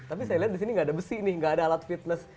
tapi saya lihat di sini nggak ada besi nih nggak ada alat fitness